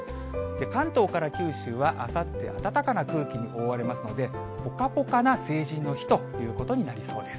関東から九州は、あさって、暖かな空気に覆われますので、ぽかぽかな成人の日ということになりそうです。